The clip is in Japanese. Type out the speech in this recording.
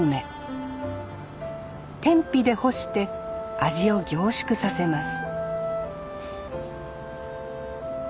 天日で干して味を凝縮させます